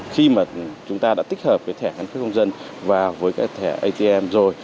khi mà chúng ta đã tích hợp với thẻ căn cước công dân và với cái thẻ atm rồi